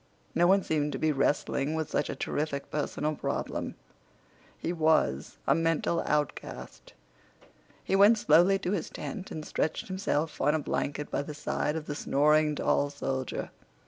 No one seemed to be wrestling with such a terrific personal problem. He was a mental outcast. He went slowly to his tent and stretched himself on a blanket by the side of the snoring tall soldier.